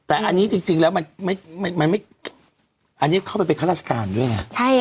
แต่อันนี้จริงแล้วอันนี้เข้าไปเป็นข้าราชการด้วยไง